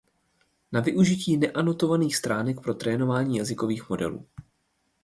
Na využití neanotovaných stránek pro trénování jazykových modelů.